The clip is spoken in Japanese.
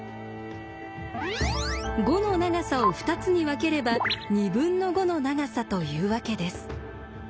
５の長さを２つに分ければ２分の５の長さというわけです。